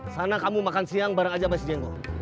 sana kamu makan siang bareng aja sama si dengo